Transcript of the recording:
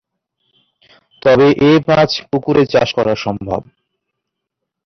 তবে এ মাছ পুকুরে চাষ করা সম্ভব।